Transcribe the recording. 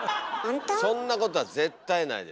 そんなことは絶対ないです。